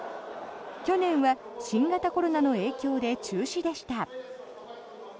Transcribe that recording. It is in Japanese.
去年は新型コロナの影響で中止でした。